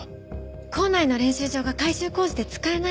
校内の練習場が改修工事で使えないんです。